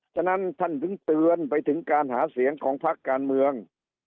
ฉะนั้นท่านถึงเตือนไปถึงการหาเสียงของพักการเมือง